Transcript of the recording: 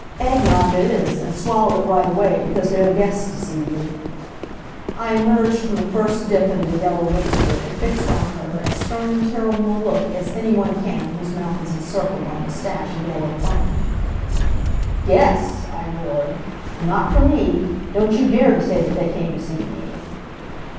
"Egg nogg it is; and swallow it right away, because there are guests to see you." I emerged from the first dip into the yellow mixture and fixed on her as stern and terrible a look at any one can whose mouth is encircled by a mustache of yellow foam. "Guests!" I roared, "not for me! Don't you dare to say that they came to see me!"